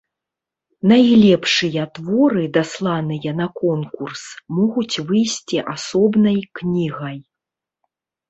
Найлепшыя творы, дасланыя на конкурс, могуць выйсці асобнай кнігай.